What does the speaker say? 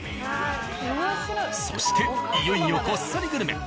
そしていよいよこっそりグルメ。